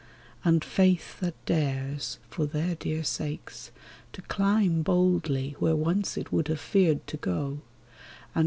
And faith — that dares, for their dear sakes, to climb Boldly, where once it would have feared to go.